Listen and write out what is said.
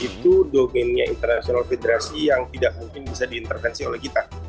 itu domainnya internasional federasi yang tidak mungkin bisa diintervensi oleh kita